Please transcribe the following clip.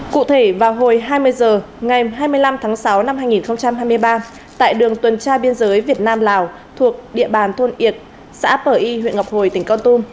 cụ thể vào hồi hai mươi h ngày hai mươi năm tháng sáu năm hai nghìn hai mươi ba tại đường tuần tra biên giới việt nam lào thuộc địa bàn thôn yên xã pờ y huyện ngọc hồi tỉnh con tum